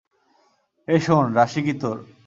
এ শোন, রাশি কী তোর?